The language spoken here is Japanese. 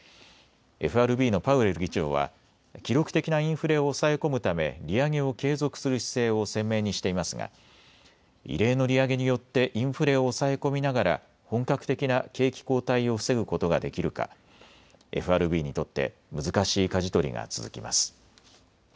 ＦＲＢのパウエル議長は記録的なインフレを抑え込むため利上げを継続する姿勢を鮮明にしていますが異例の利上げによってインフレを抑え込みながら本格的な景気後退を防ぐことができるかＦＲＢにとって難しいかじ取りが続きます。